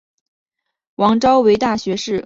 王诏为大学士曹鼐女婿。